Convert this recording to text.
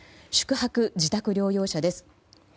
宿泊・自宅療養者です。